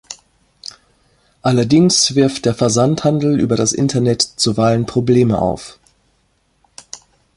Allerdings wirft der Versandhandel über das Internet zuweilen Probleme auf.